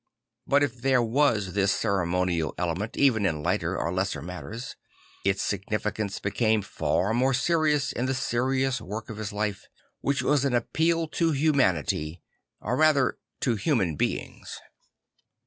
But if there was this ceremonial element even in lighter or lesser matters, its significance became far more serious in the serious work of his life, \vhich \vas an appeal to humanity, or rather to human beings.